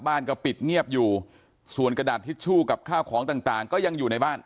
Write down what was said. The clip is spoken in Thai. บ้านก็ปิดเงียบอยู่ส่วนกระดาษทิชชู่กับข้าวของต่างต่างก็ยังอยู่ในบ้าน